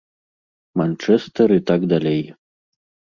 Манчэстэр і так далей.